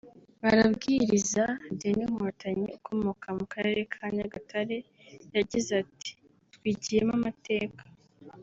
Barabwiriza Deny Nkotanyi ukomoka mu karere ka Nyagatare yagize ati “Twigiyemo amateka